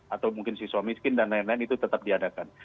atau mungkin siswa miskin dan lain lain itu tetap diadakan